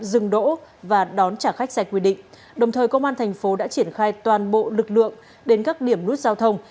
được lượng đến các điểm nút giao thông